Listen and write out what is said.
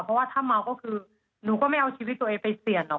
เพราะว่าถ้าเมาก็คือหนูก็ไม่เอาชีวิตตัวเองไปเปลี่ยนหรอก